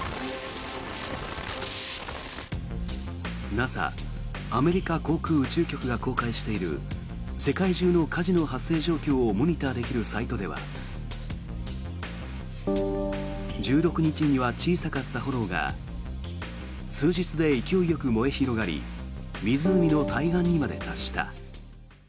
ＮＡＳＡ・アメリカ航空宇宙局が公開している世界中の火事の発生状況をモニターできるサイトでは１６日には小さかった炎が数日で勢いよく燃え広がり湖の対岸にまで達した。